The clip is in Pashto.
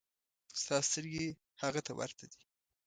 ستا سترګې هغه ته ورته دي.